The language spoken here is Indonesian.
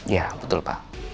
ya betul pak